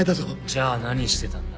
じゃあ何してたんだ？